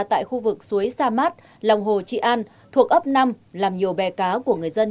tại khu vực suối sa mát lòng hồ trị an thuộc ấp năm làm nhiều bè cá của người dân